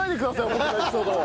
僕のエピソードを！